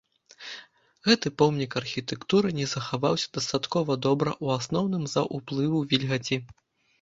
Гэты помнік архітэктуры не захаваўся дастаткова добра ў асноўным з-за ўплыву вільгаці.